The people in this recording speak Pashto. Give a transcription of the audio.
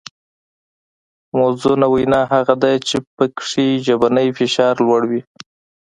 موزونه وینا هغه ده چې پکې ژبنی فشار لوړ وي